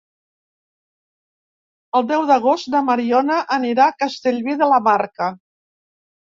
El deu d'agost na Mariona anirà a Castellví de la Marca.